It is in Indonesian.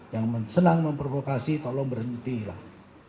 yang senang memprovokasi tolong berhenti lah